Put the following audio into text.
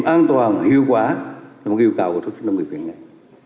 an toàn và hiệu quả trong yêu cầu của thuốc chất nông nghiệp việt nam